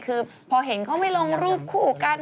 คือพอเห็นเขาไม่ลงรูปคู่กัน